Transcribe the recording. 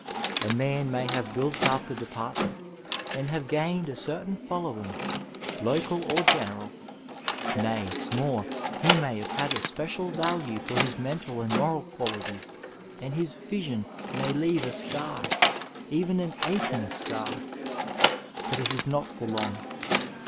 A man may have built up a department and have gained a certain following, local or general ; nay, more, he may have had a special value for his mental and moral qualities, and his fission may leave a scar, even an aching scar, but it is not for long.